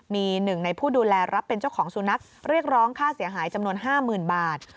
มีหนึ่งในผู้ดูแลรับเป็นเจ้าของสุนัขเรียกร้องค่าเสียหายจำนวน๕๐๐๐บาท